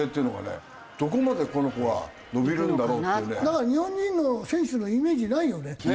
だから日本人の選手のイメージないよね。